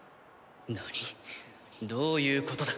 なに？どういうことだ！？